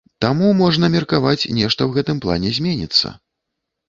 Таму, можна меркаваць, нешта ў гэтым плане зменіцца.